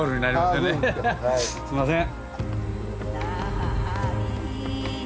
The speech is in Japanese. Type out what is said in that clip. すんません。